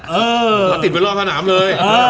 จับมาติดไว้รอถนาบเลย